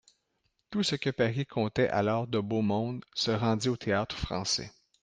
Tout ce que Paris comptait alors de beau monde se rendit au Théâtre-Français.